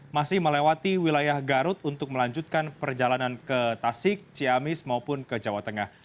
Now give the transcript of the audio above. masih melewati wilayah garut untuk melanjutkan perjalanan ke tasik ciamis maupun ke jawa tengah